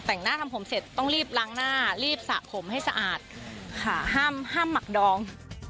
แต่งหน้าทำผมเสร็จต้องรีบล้างหน้ารีบสระผมให้สะอาดค่ะห้ามหมักดอง